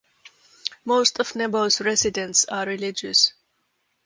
Most of Nebo's residents are religious.